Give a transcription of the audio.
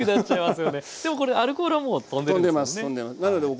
でもこれアルコールはもうとんでます。